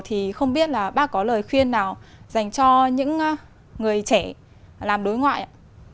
thì không biết là bác có lời khuyên nào dành cho những người trẻ làm đối ngoại ạ